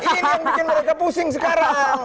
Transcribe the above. ini yang bikin mereka pusing sekarang